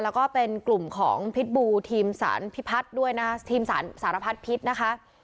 แล้วก็เป็นกลุ่มของพิษบูทีมสารพิพัฒน์ด้วยนะทีมสารสารพัดพิษนะคะ